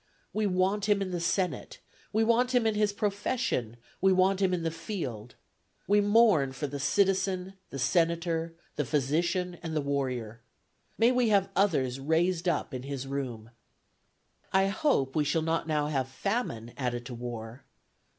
We want him in the Senate; we want him in his profession; we want him in the field. We mourn for the citizen, the senator, the physician, and the warrior. May we have others raised up in his room. ... "I hope we shall not now have famine added to war.